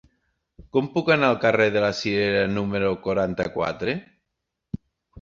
Com puc anar al carrer de la Cirera número quaranta-quatre?